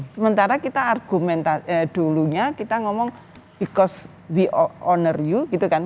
sementara kita argumen dulunya kita ngomong be cost we owner you gitu kan